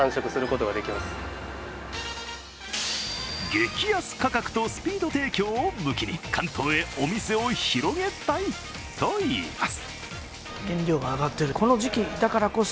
激安価格とスピード提供を武器に関東へお店を広げたいといいます。